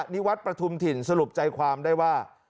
นิวัตรประทุมถิ่นสรุปใจความได้ว่า